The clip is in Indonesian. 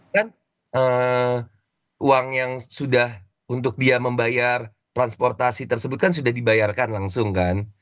kan uang yang sudah untuk dia membayar transportasi tersebut kan sudah dibayarkan langsung kan